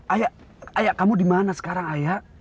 ayah ayah kamu dimana sekarang ayah